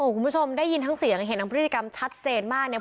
โอ้คุณผู้ชมได้ยินห้างเสียงจะเห็นพฤษฎิกรรมชัดเจนมากเนี้ย